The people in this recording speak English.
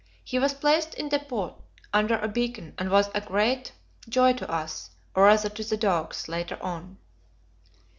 He was placed in depot under a beacon, and was a great joy to us or rather to the dogs later on.